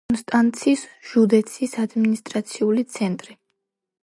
კონსტანცის ჟუდეცის ადმინისტრაციული ცენტრი.